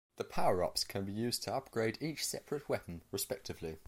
The power-ups can be used to upgrade each separate weapon respectively.